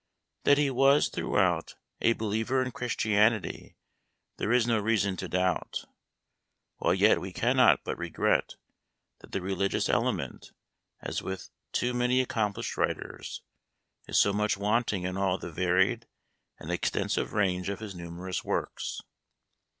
That he was, throughout, a believer in Christianity there is no reason to doubt ; while yet we cannot but regret that the religious element, as with too many accomplished writers, is so much wanting in all the varied and extensive range of his numerous works.